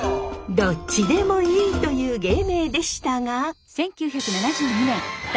どっちでもいいという芸名でしたが。